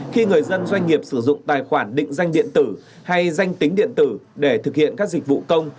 khi người dân doanh nghiệp sử dụng tài khoản định danh điện tử hay danh tính điện tử để thực hiện các dịch vụ công